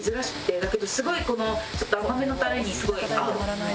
だけどすごいこの甘めのタレにすごい合う。